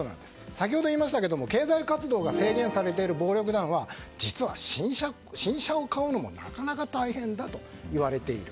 先ほど言いましたけど経済活動が制限されている暴力団は実は新車を買うのもなかなか大変だといわれている。